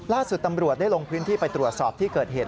ล่าสุดตำรวจได้ลงพื้นที่ไปตรวจสอบที่เกิดเหตุ